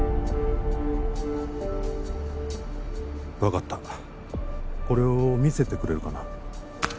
分かったこれを見せてくれるかな？